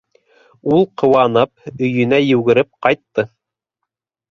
Ул, ҡыуанып, өйөнә йүгереп ҡайтты.